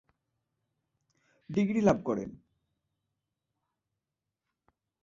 Degree লাভ করেন।